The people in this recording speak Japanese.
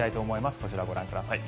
こちらをご覧ください。